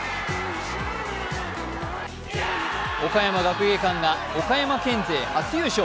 岡山学芸館が岡山県勢初優勝。